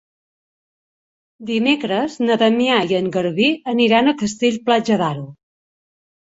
Dimecres na Damià i en Garbí aniran a Castell-Platja d'Aro.